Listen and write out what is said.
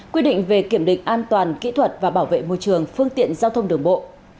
quy định về kiểm định an toàn kỹ thuật và bảo vệ môi trường phương tiện giao thông đường bộ